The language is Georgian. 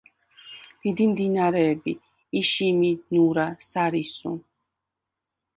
დიდი მდინარეებია: იშიმი, ნურა, სარისუ.